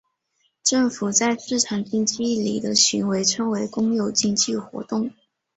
政府在市场经济里的行为称为公有经济活动。